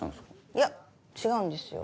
いや違うんですよ。